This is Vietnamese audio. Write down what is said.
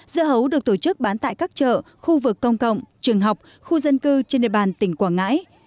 dưa hấu được tổ chức bán tại các chợ khu vực công cộng trường học khu dân cư trên địa bàn tỉnh quảng ngãi